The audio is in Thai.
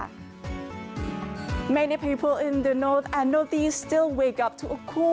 ตอนนี้หลายคนในศพและศพนอกฝันโดยยังสงสัมที่เป็นเวลากลัว